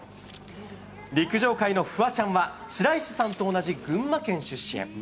陸上界のふわちゃんは、白石さんと同じ群馬県出身。